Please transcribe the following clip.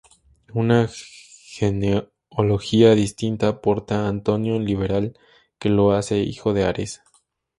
Una genealogía distinta aporta Antonino Liberal, que lo hace hijo de Ares.